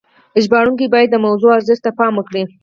ژباړونکي باید د موضوع ارزښت ته پام وکړي.